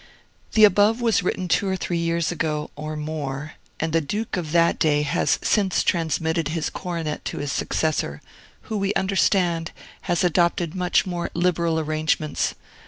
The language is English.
[The above was written two or three years ago, or more; and the Duke of that day has since transmitted his coronet to his successor, who, we understand, has adopted much more liberal arrangements.